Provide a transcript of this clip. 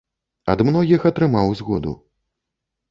Ад многіх атрымаў згоду.